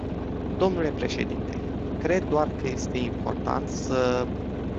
Dle președinte, cred doar că este important să...